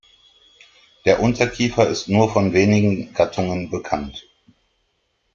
Der Unterkiefer ist nur von wenigen Gattungen bekannt.